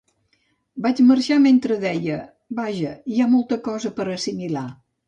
Vaig marxar mentre deia: "Vaja, hi ha molta cosa per assimilar.